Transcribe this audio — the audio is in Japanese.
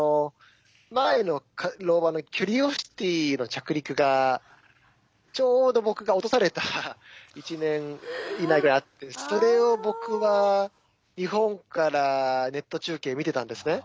前のローバーのキュリオシティの着陸がちょうど僕が落とされた１年以内ぐらいにあってそれを僕は日本からネット中継見てたんですね。